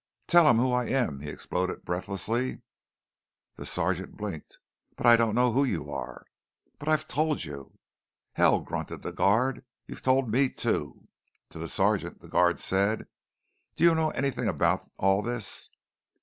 "Tell 'em who I am!" he exploded breathlessly. The sergeant blinked. "But I don't know who you are." "But I've told you." "Hell," grunted the guard. "You've told me, too." To the sergeant, the guard said: "Do you know anything about all this?"